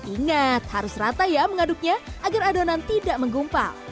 ingat harus rata ya mengaduknya agar adonan tidak menggumpal